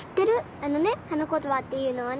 あのね花言葉っていうのはね。